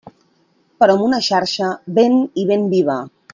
Però amb una xarxa ben i ben viva.